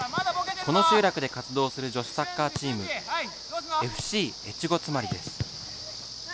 この集落で活動する女子サッカーチーム、ＦＣ越後妻有です。